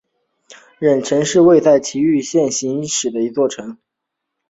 忍城是位在崎玉县行田市的一座城。